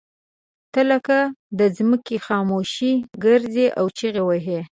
ته لکه د ځمکې خاموشي ګرځې او چغې وهې.